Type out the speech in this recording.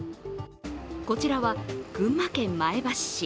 こちらは群馬県前橋市